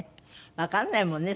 わかんないもんね